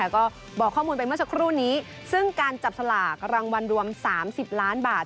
ก็บอกข้อมูลไปเมื่อสักครู่นี้ซึ่งการจับสลากรางวัลรวม๓๐ล้านบาท